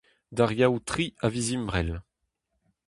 D'ar Yaou tri a viz Ebrel.